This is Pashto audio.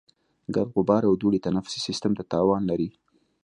ګرد، غبار او دوړې تنفسي سیستم ته تاوان لري.